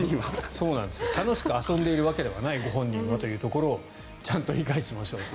楽しく遊んでいるわけではないご本人はというところをちゃんと理解しましょうと。